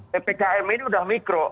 ppkm ini udah mikro